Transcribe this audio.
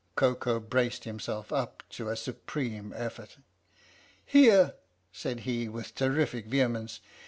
" Koko braced himself up to a supreme effort. " Here! " said he with terrific vehemence.